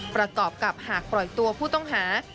ประกอบกับหากปล่อยตัวผู้ต้องหา